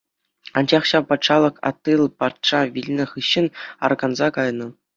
Анчах ҫав патшалӑх Аттил патша вилнӗ хыҫҫӑн арканса кайнӑ.